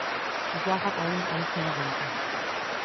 Die Sache hat allerdings eine Kehrseite.